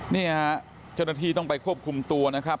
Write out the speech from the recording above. นี่ฮะเจ้าหน้าที่ต้องไปควบคุมตัวนะครับ